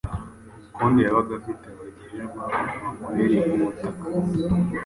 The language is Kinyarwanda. Umukonde yabaga afite abagererwa bamubereye ku butaka,